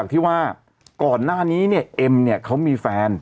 ที่ว่าก่อนหน้านี้เนี่ยเอ็มเนี่ยเขามีแฟน